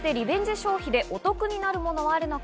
消費でお得になるものはあるのか。